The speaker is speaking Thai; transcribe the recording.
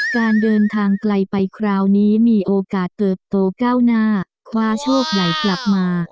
การเดินทางไกลไปคราวนี้มีโอกาสเติบโตก้าวหน้าคว้าโชคใหญ่กลับมา